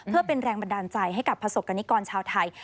เพื่อเป็นแรงบันดาลใจให้กับประสบกรณิกรชาวไทย